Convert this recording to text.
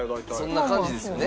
そんな感じですよね。